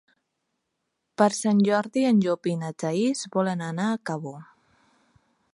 Per Sant Jordi en Llop i na Thaís volen anar a Cabó.